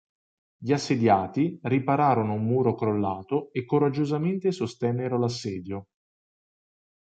Gli assediati ripararono un muro crollato e coraggiosamente sostennero l'assedio.